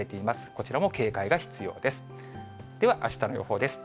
こちらも警戒が必要です。